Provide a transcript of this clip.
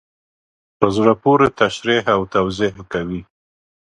په زړه پوري تشریح او توضیح کوي.